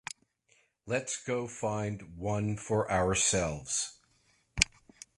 Let's go find one for ourselves!